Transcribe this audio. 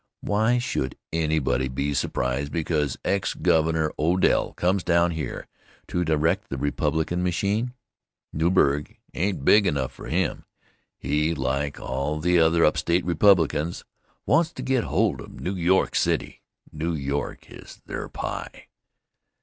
Why should anybody be surprised because ex Governor Odell comes down here to direct the Republican machine? Newburg ain't big enough for him. He, like all the other upstate Republicans, wants to get hold of New York City. New York is their pie.